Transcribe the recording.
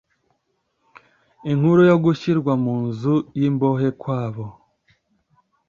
Inkuru yo gushyirwa mu nzu y’imbohe kwabo